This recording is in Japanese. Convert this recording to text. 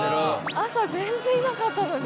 朝全然いなかったのに。